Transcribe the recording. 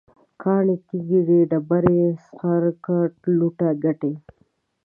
کاڼی، تیږه، ډبره، سخر، ګټ، لوټه، ګټی